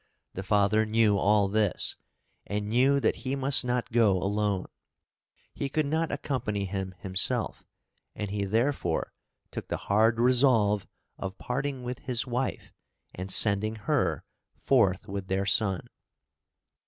The father knew all this, and knew that he must not go alone; he could not accompany him himself, and he therefore took the hard resolve of parting with his wife and sending her forth with their son.